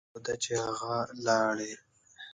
دا خو ده چې هغه لاړې.